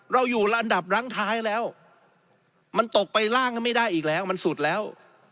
เราอยู่ระดับรั้งท้ายแล้วมันตกไปล่างก็ไม่ได้อีกแล้วมันสุดแล้ว